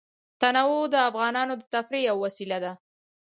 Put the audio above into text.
تنوع د افغانانو د تفریح یوه وسیله ده.